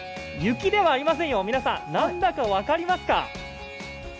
雪ではありませんよ、皆さん、なんだか分かりますか？